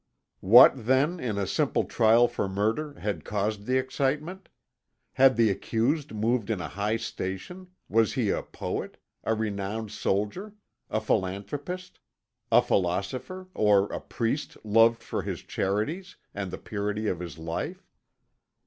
What, then, in a simple trial for murder, had caused the excitement? Had the accused moved in a high station, was he a poet, a renowned soldier, a philanthropist, a philosopher, or a priest loved for his charities, and the purity of his life?